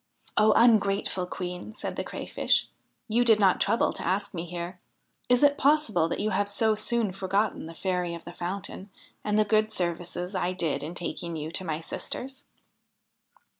' O ungrateful Queen !' said the Crayfish, ' you did not trouble to ask me here. Is it possible that you have so soon forgotten the Fairy of the Fountain and the good services I did in taking you to my sisters.